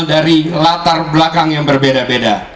dari latar belakang yang berbeda beda